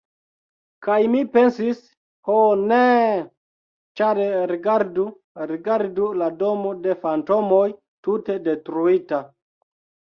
Kaj mi pensis: "Ho, neeeeeee!", ĉar rigardu, rigardu: la Domo de Fantomoj: tute detruita!